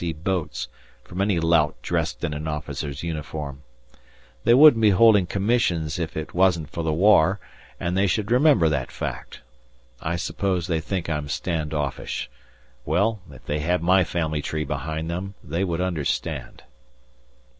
boats, from any lout dressed in an officer's uniform. They wouldn't be holding commissions if it wasn't for the war, and they should remember that fact. I suppose they think I'm stand offish. Well, if they had my family tree behind them they would understand.